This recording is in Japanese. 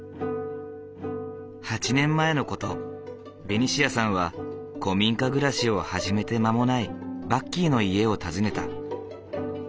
８年前の事ベニシアさんは古民家暮らしを始めて間もないバッキーの家を訪ねた。